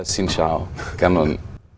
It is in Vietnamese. xin chào cảm ơn